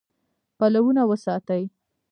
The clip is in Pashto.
پلونه وساتئ